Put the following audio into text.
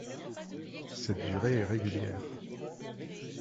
Cette durée est régulière.